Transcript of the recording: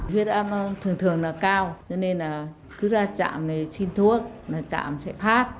huyết âm thường thường là cao nên là cứ ra trạm xin thuốc trạm sẽ phát